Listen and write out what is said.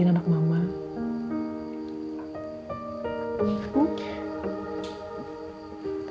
pinter mijetin anak mama